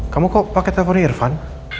kamu kok pakai teori irfan